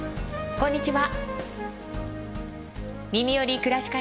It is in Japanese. こんにちは。